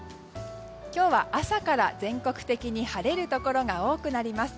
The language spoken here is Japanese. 今日は朝から全国的に晴れるところが多くなります。